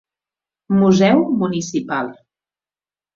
Museu Municipal.